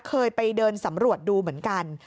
เคยไปเดินสำรวจดูเหมือนกัน